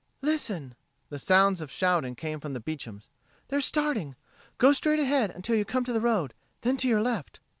"Listen!" The sounds of shouting came from the Beecham's. "They're starting. Go straight ahead until you come to the road, then to your left."